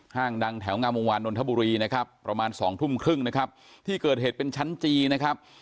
ดังแถวงามวงวานนทบุรีนะครับประมาณสองทุ่มครึ่งนะครับที่เกิดเหตุเป็นชั้นจีนะครับ